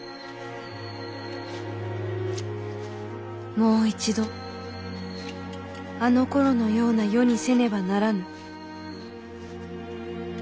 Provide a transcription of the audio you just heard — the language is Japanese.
「もう一度あのころのような世にせねばならぬ」。